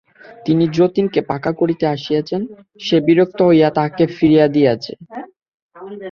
তিনি যতীনকে পাখা করিতে আসিয়াছেন, সে বিরক্ত হইয়া তাঁহাকে ফিরাইয়া দিয়াছে।